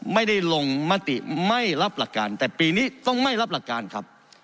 ไม่ได้ลงมติไม่รับหลักการแต่ปีนี้ต้องไม่รับหลักการครับ